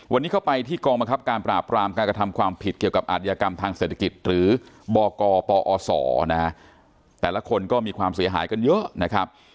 วันนี้เข้าไปที่กองบังคับการปราบรามการกระทำความผิดเกี่ยวกับอาธิกรรมทางเศรษฐกิจหรือบกปอศนะฮะแต่ละคนก็มีความเสียหายกันเยอะนะครับ